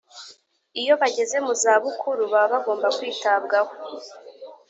iyo bageze mu zabukuru baba bagomba kwitabwaho